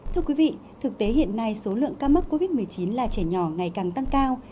thưa quý vị thực tế hiện nay số lượng ca mắc covid một mươi chín là trẻ nhỏ ngày càng tăng cao